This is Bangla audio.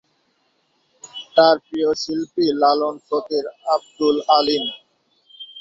তার প্রিয় শিল্পী লালন ফকির, আব্দুল আলীম।